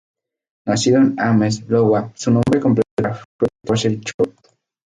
Nacido en Ames, Iowa, su nombre completo era Fred Rosell Church.